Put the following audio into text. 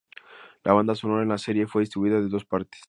La banda sonora de la serie fue distribuida en dos partes.